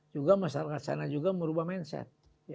juga masyarakat sana juga merubah mindset